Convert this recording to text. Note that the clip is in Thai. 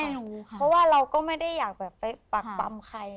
เพราะว่าเราก็ไม่ได้อยากไปปักปั๊มใคร